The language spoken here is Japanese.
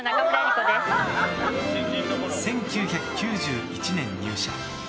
１９９１年入社。